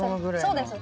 そうです。